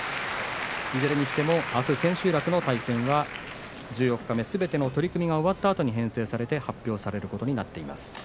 豊昇龍いずれにしてもあす千秋楽の対戦は十四日目すべての取組が終わったあとに編成されて発表されることになっています。